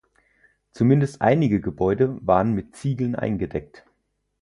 Zumindest einige Gebäude waren mit Ziegeln eingedeckt.